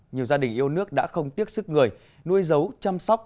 nhiều gia đình yêu nước đã không tiếc sức người nuôi dấu chăm sóc